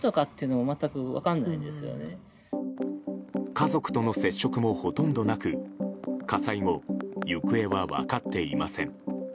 家族との接触もほとんどなく火災後、行方は分かっていません。